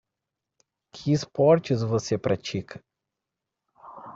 Que esportes você pratica?